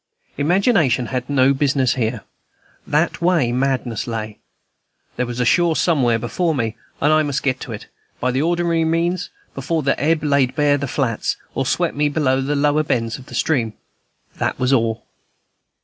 Imagination had no business here. That way madness lay. There was a shore somewhere before me, and I must get to it, by the ordinary means, before the ebb laid bare the flats, or swept me below the lower bends of the stream. That was all.